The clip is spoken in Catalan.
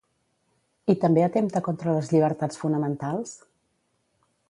I també atempta contra les llibertats fonamentals?